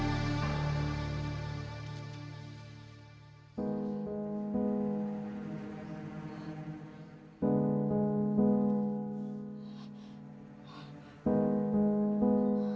buat buat latihan waktu waktu